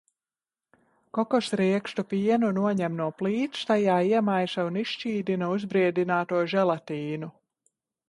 Kokosriekstu pienu noņem no plīts, tajā iemaisa un izšķīdina uzbriedināto želatīnu.